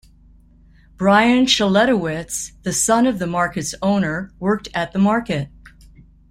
Bryon Schletewitz, the son of the market's owner, worked at the market.